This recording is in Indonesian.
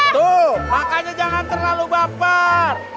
tuh makannya jangan terlalu bapar